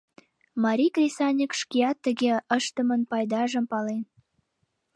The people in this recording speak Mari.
Марий кресаньык шкеат тыге ыштымын пайдажым пален.